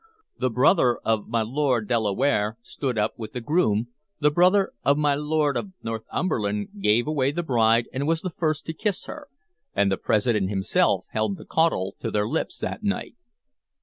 The brother of my Lord de la Warre stood up with the groom, the brother of my Lord of Northumberland gave away the bride and was the first to kiss her, and the President himself held the caudle to their lips that night.